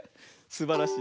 すばらしい。